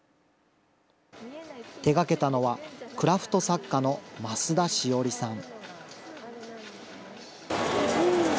手がけたのは、クラフト作家の増田汐里さん。